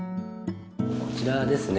こちらですね。